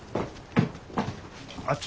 あっち？